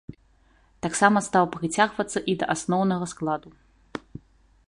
Таксама стаў прыцягвацца і да асноўнага складу.